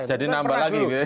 jadi nambah lagi